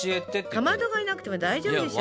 かまどがいなくても大丈夫でしょ。